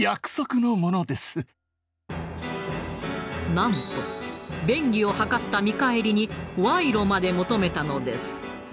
なんと便宜を図った見返りに賄賂まで求めたのです。